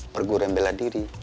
perguruan bela diri